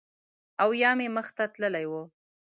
او یا مې مخ ته تللی و